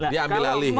dia ambil alih ya